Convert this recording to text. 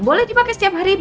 boleh dipakai setiap hari